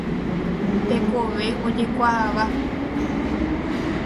Tekove ojekuaáva.